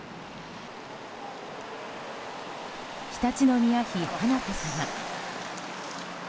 常陸宮妃華子さま。